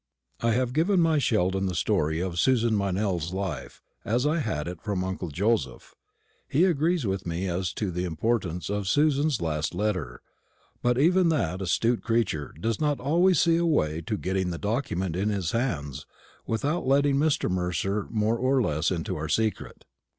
I have given my Sheldon the story of Susan Meynell's life, as I had it from uncle Joseph. He agrees with me as to the importance of Susan's last letter, but even that astute creature does not see a way to getting the document in his hands without letting Mr. Mercer more or less into our secret.